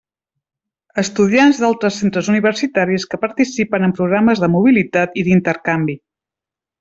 Estudiants d'altres centres universitaris que participen en programes de mobilitat i d'intercanvi.